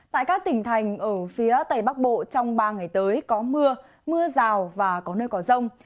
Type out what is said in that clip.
tại các tỉnh thành ở phía tây bắc bộ trong ba ngày tới có mưa mưa rào và có nơi có rông